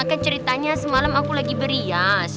kan ceritanya semalam aku lagi berias